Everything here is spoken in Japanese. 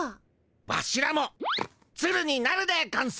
ワシらもツルになるでゴンス。